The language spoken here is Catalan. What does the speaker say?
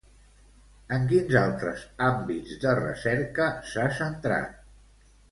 En quins altres àmbits de recerca s'ha centrat?